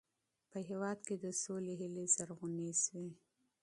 په هېواد کې د سولې هیلې زرغونې سوې.